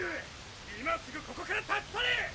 今すぐここから立ち去れっ！